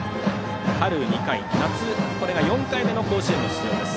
春２回、夏はこれが４回目の甲子園出場です。